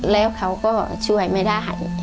แล้วเขาก็ช่วยไม่ได้